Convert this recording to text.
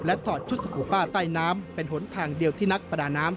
ถอดชุดสกูป้าใต้น้ำเป็นหนทางเดียวที่นักประดาน้ำ